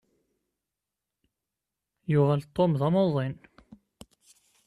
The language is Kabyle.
Yuɣal Tom d amuḍin.